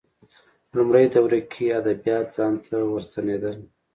لومړۍ دوره کې ادبیات ځان ته ورستنېدل